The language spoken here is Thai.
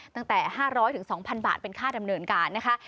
ตั้งแต่๕๐๐๒๐๐บาทเป็นค่าดำเนินการนะคะ